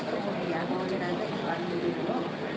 kemudian jenazah ibu ani itu